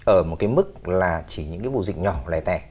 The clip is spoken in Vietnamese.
ở một cái mức là chỉ những cái vụ dịch nhỏ lẻ tẻ